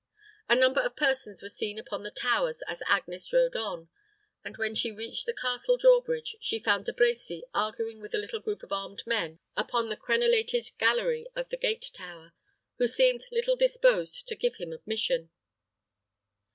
A number of persons were seen upon the towers as Agnes rode on; and when she reached the castle draw bridge, she found De Brecy arguing with a little group of armed men upon the crenelated gallery of the gate tower, who seemed little disposed to give him admission.